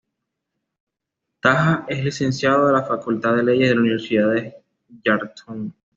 Taha es licenciado en la Facultad de Leyes de la Universidad de Jartum.